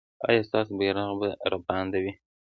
ایا ستاسو بیرغ به رپانده وي؟